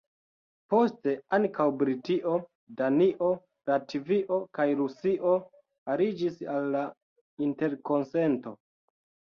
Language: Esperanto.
Poste ankaŭ Britio, Danio, Latvio kaj Rusio aliĝis al la interkonsento.